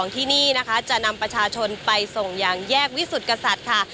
ที่นี่นะคะจะนำประชาชนไปส่งอย่างแยกวิสุทธิ์กษัตริย์ค่ะ